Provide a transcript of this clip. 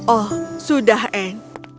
oh sudah anne